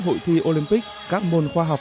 hội thi olympic các môn khoa học